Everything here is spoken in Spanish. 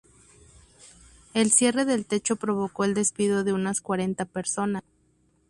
El cierre del techo provocó el despido de unas cuarenta personas.